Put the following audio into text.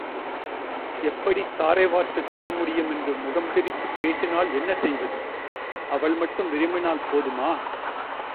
எப்படித் தாரை வார்த்துத் தரமுடியும் என்று முகம் திரித்துப் பேசினால் என்ன செய்வது? அவள் மட்டும் விரும்பினால் போதுமா?